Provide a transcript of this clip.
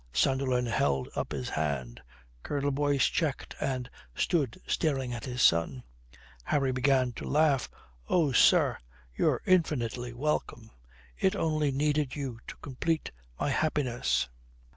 Sunderland held up his hand. Colonel Boyce checked and stood staring at his son. Harry began to laugh. "Oh, sir, you're infinitely welcome. It only needed you to complete my happiness."